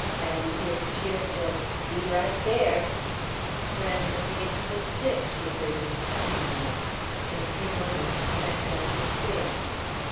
And his cheerful "Be right there." Grandma Gates was sick, she heard him tell Ina. In a few moments he ran down the stairs.